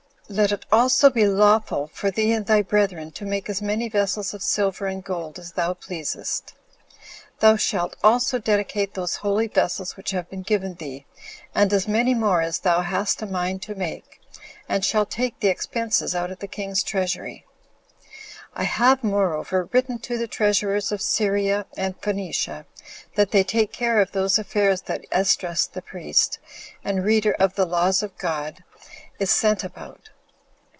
Let it also be lawful for thee and thy brethren to make as many vessels of silver and gold as thou pleasest. Thou shalt also dedicate those holy vessels which have been given thee, and as many more as thou hast a mind to make, and shall take the expenses out of the king's treasury. I have, moreover, written to the treasurers of Syria and Phoenicia, that they take care of those affairs that Esdras the priest, and reader of the laws of God, is sent about.